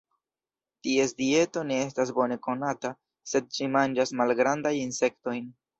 Ties dieto ne estas bone konata, sed ĝi manĝas malgrandajn insektojn.